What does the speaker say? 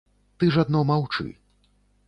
Ты ж адно маўчы.